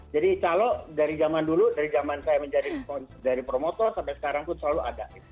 jadi calo dari zaman dulu dari zaman saya menjadi promotor sampai sekarang pun selalu ada